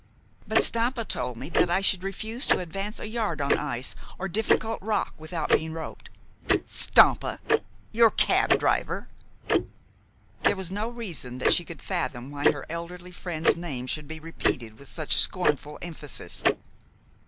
"But Stampa told me that I should refuse to advance a yard on ice or difficult rock without being roped." "Stampa, your cab driver?" There was no reason that she could fathom why her elderly friend's name should be repeated with such scornful emphasis.